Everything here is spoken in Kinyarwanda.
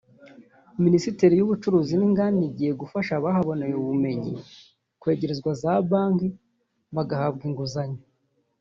Minisiteri y’ubucuruzi n’inganda igiye gufasha abahaboneye ubumenyi kwegerezwa za banki bagahabwa inguzanyo